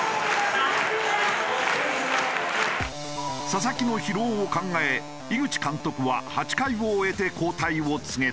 佐々木の疲労を考え井口監督は８回を終えて交代を告げた。